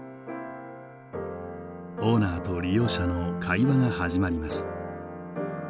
オーナーと利用者の会話が始まります。